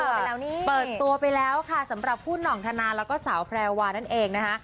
ไปแล้วนี่เปิดตัวไปแล้วค่ะสำหรับผู้หน่องธนาแล้วก็สาวแพรวานั่นเองนะคะ